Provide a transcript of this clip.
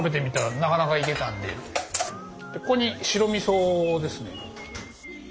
ここに白みそですね。